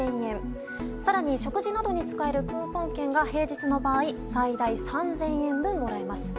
更に食事などに使えるクーポン券が平日の場合最大３０００円分ももらえます。